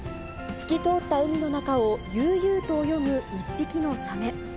透き通った海の中を悠々と泳ぐ一匹のサメ。